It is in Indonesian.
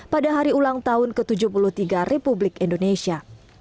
pada hari ulang tahun ke tujuh puluh tiga republik indonesia